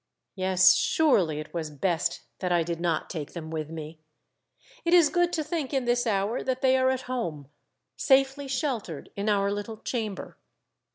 Yes, surely, it was best that I did not take them with me. It is good to think in this hour that they are at home, safely sheltered in our little chamber.